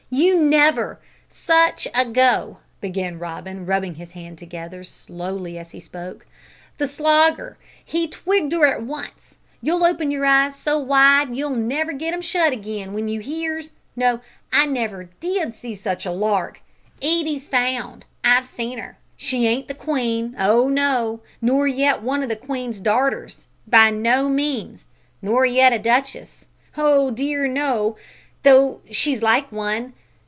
you never such a go!" began Robin, rubbing his hands together slowly as he spoke. "The Slogger! he twigged 'er at once. You'll open your eyes so wide that you'll never git 'em shut again, w'en you hears. No, I never did see such a lark! Edie's found! I've seen her! She ain't the Queen oh no; nor yet one o' the Queen's darters by no means; nor yet a duchess oh dear no, though she's like one.